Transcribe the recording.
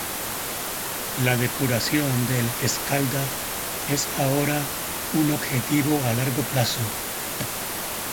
La depuración del Escalda es ahora un objetivo a largo plazo.